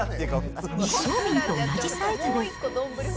一升瓶と同じサイズです。